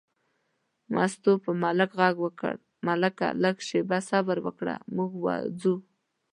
مستو په ملک غږ وکړ: ملکه لږه شېبه صبر وکړه، موږ وځو.